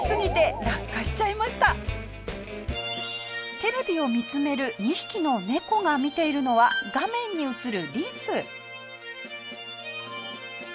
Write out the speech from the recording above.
テレビを見つめる２匹の猫が見ているのは画面に映るリス。